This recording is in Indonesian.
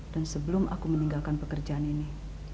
dan sebelum aku meninggalkan pekerjaan ini